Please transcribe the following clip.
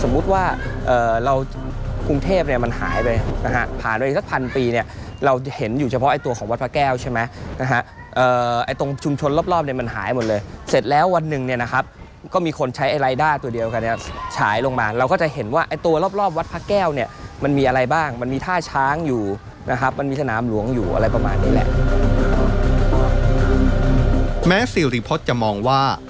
แม้สิริพจน์จะมองว่า